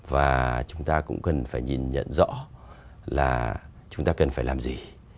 và chúng ta cũng cần phải nhìn nhận rõ là chúng ta cần phải làm gì